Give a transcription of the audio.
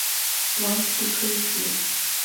王祺可以指